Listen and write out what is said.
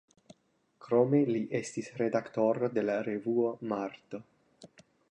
Krome li estis redaktoro de la revuo „Marto“.